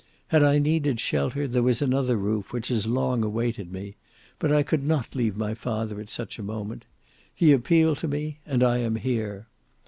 "Had I needed shelter there was another roof which has long awaited me: but I could not leave my father at such a moment. He appealed to me: and I am here.